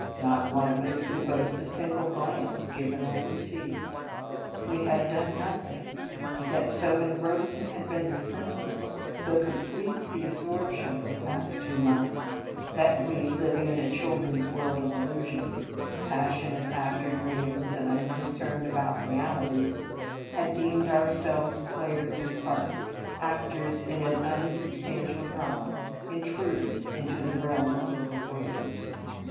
Not one of us could boast a single glance, given or received. We had done nothing; yet so engrossing had been the sentiment, so complete the absorption of the past two months, that we, living in a children s world of illusions, " passionate after dreams, and unconcerned about realities," had deemed ourselves players of parts, actors in an unsubstantial drama, in truders into the realms of the forbid den.